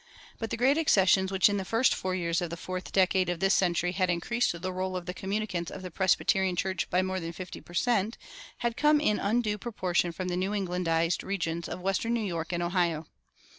But the great accessions which in the first four years of the fourth decade of this century had increased the roll of the communicants of the Presbyterian Church by more than fifty per cent. had come in undue proportion from the New Englandized regions of western New York and Ohio.